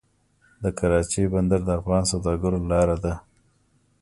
د کراچۍ بندر د افغان سوداګرو لاره ده